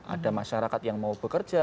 ada masyarakat yang mau bekerja